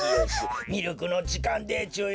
ミルクのじかんでちゅよ。